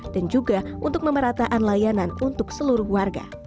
dan juga untuk memerataan layanan untuk seluruh warga